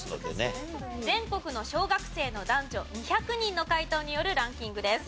全国の小学生の男女２００人の回答によるランキングです。